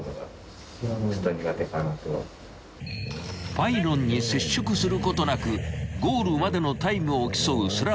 ［パイロンに接触することなくゴールまでのタイムを競うスラローム］